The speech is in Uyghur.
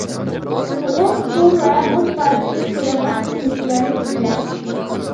سوغۇق سۇ ۋە مۇز پارچىسى سېلىنغان ئىچىملىكلەرنى ئىچمەڭ.